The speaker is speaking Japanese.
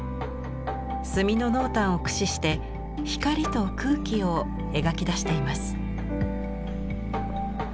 墨の濃淡を駆使して光と空気を描き出しています。